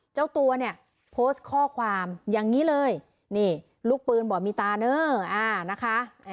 เจ้าตัวเนี่ยโพสต์ข้อความอย่างนี้เลยนี่ลูกปืนบอกมีตาเนอะนะคะ